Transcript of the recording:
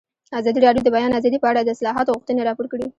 ازادي راډیو د د بیان آزادي په اړه د اصلاحاتو غوښتنې راپور کړې.